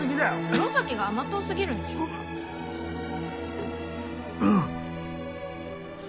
黒崎が甘党すぎるんでしょうわっ